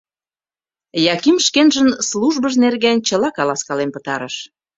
Яким шкенжын службыж нерген чыла каласкален пытарыш.